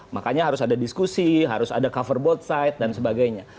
makanya harus ada diskusi harus ada cover both side dan sebagainya